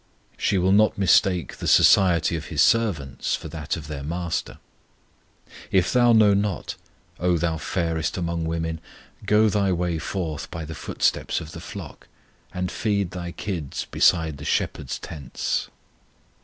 She will not mistake the society of His servants for that of their MASTER. If thou know not, O thou fairest among women, Go thy way forth by the footsteps of the flock, And feed thy kids beside the shepherds' tents.